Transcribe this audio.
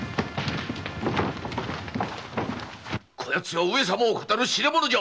こやつは上様を騙る痴れ者じゃ。